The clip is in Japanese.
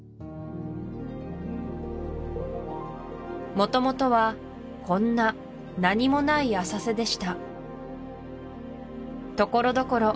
もともとはこんな何もない浅瀬でしたところどころ